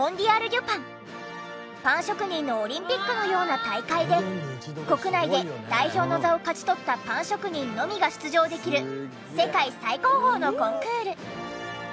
パン職人のオリンピックのような大会で国内で代表の座を勝ち取ったパン職人のみが出場できる世界最高峰のコンクール。